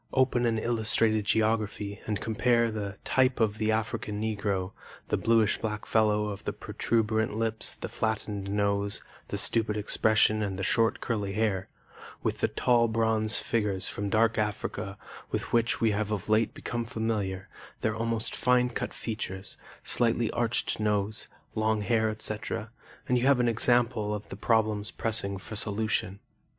Open an illustrated geography and compare the 'Type of the African Negro,' the bluish black fellow of the protuberant lips, the flattened nose, the stupid expression and the short curly hair, with the tall bronze figures from Dark Africa with which we have of late become familiar, their almost fine cut features, slightly arched nose, long hair, etc., and you have an example of the problems pressing for solution.